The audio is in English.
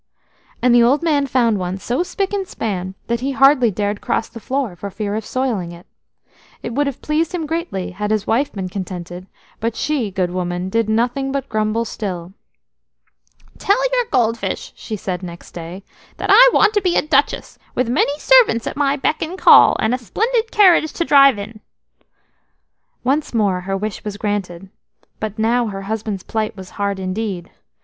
And the old man found one so spick and span that he hardly dared cross the floor for fear of soiling it. It would have pleased him greatly had his wife been contented, but she, good woman, did nothing but grumble still. "Tell your gold fish," she said next day, "that I want to be a duchess, with many servants at my beck and call, and a splendid carriage to drive in." Once more her wish was granted, but now her husband's plight was hard indeed.